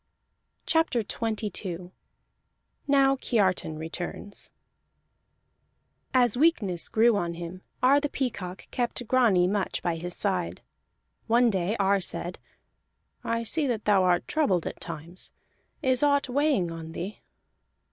CHAPTER XXII NOW KIARTAN RETURNS As weakness grew on him, Ar the Peacock kept Grani much by his side. One day Ar said: "I see that thou art troubled at times. Is aught weighing on thee?"